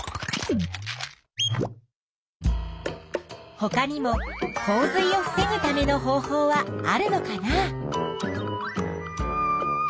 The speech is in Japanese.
ほかにも洪水を防ぐための方法はあるのかな？